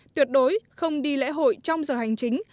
tuyệt đối không đi lễ hội trong giờ hành chính